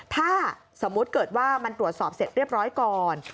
ถ้าสมมุติเกิดว่ามันตรวจสอบเสร็จเรียบร้อยก่อน